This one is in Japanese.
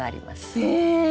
へえ！